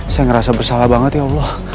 saya ngerasa bersalah banget ya allah